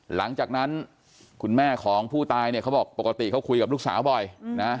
หลังจากนั้นคุณแม่ของผู้ตายเนี่ยเขาบอกปกติเขาคุยกับลูกสาวบ่อยนะ